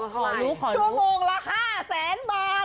ชั่วโมงละ๕๐๐๐๐๐บาท